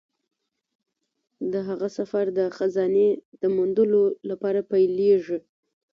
د هغه سفر د خزانې د موندلو لپاره پیلیږي.